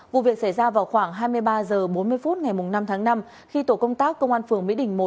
vụ việc xảy ra vào khoảng hai mươi ba h bốn mươi phút ngày năm tháng năm khi tổ công tác công an phường mỹ đình một